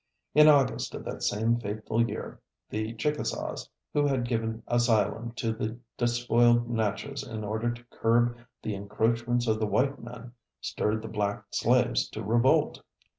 In August of that same fateful year, the Chickasaws, who had given asylum to the despoiled Natchez in order to curb the encroachments of the white men, stirred the black slaves to revolt.